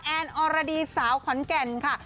แอนอรดีสาวขอนแก่นค่ะ